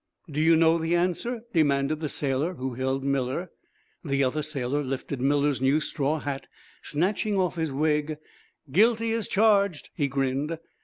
"Do you know the answer?" demanded the sailor who held Miller. The other sailor lifted Miller's new straw hat, snatching off the wig. "Guilty, as charged," he grinned.